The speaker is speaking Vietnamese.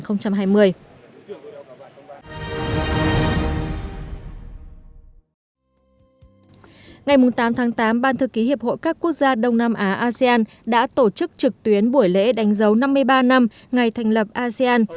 ngày tám tháng tám ban thư ký hiệp hội các quốc gia đông nam á asean đã tổ chức trực tuyến buổi lễ đánh dấu năm mươi ba năm ngày thành lập asean